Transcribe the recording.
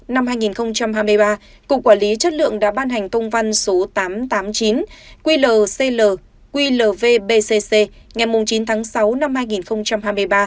năm hai nghìn hai mươi ba cục quản lý chất lượng đã ban hành công văn số tám trăm tám mươi chín quy lờ cl quy lờ vbcc ngày chín tháng sáu năm hai nghìn hai mươi ba